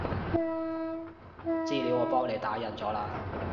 資料我幫你打印咗喇